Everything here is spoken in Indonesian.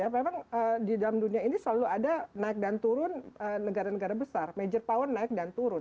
memang di dalam dunia ini selalu ada naik dan turun negara negara besar major power naik dan turun